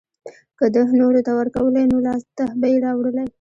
که ده نورو ته ورکولی نو لاسته به يې راوړلی.